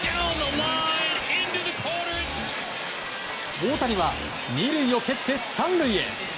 大谷は２塁を蹴って３塁へ。